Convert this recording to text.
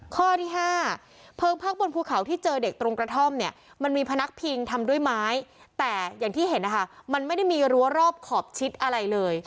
ข้อที่๕เพลิงพักบนภูเขาที่เจอเด็กตรงกระท่อมเนี่ยมันมีพนักพิงทำด้วยไม้แต่อย่างที่เห็นนะคะมันไม่ได้มีรั้วรอบขอบชิดอะไรเลย